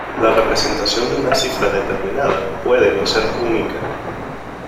La representación de una cifra determinada puede no ser única.